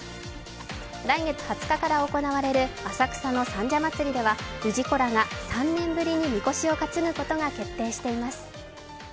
来月２０日から行われる浅草の三社祭では、氏子らが３年ぶりにみこしを担ぐことが決定しています。